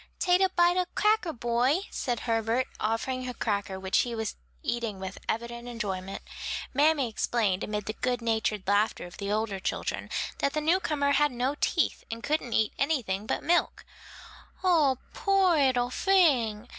"Tate a bite of cacker, boy," said Herbert, offering a cracker which he was eating with evident enjoyment. Mammy explained, amid the good natured laughter of the older children, that the newcomer had no teeth and couldn't eat anything but milk. "Oh, poor 'ittle fing!"